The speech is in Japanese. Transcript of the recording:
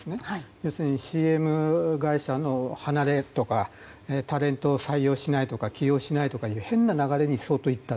要するに、ＣＭ会社の離れとかタレントを採用しないとか起用しないという変な流れに相当いった。